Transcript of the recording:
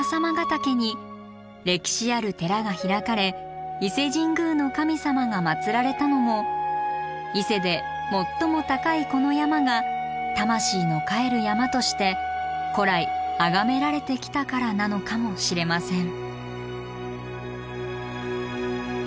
岳に歴史ある寺が開かれ伊勢神宮の神様がまつられたのも伊勢で最も高いこの山が魂の還る山として古来あがめられてきたからなのかもしれません。